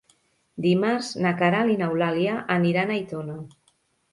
Dimarts na Queralt i n'Eulàlia aniran a Aitona.